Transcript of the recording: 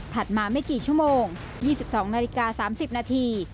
มาไม่กี่ชั่วโมง๒๒นาฬิกา๓๐นาที